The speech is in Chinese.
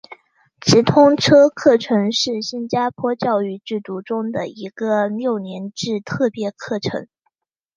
直通车课程是新加坡教育制度中的一个六年制特别课程。